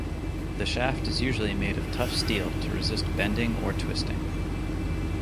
The shaft is usually made of tough steel to resist bending or twisting.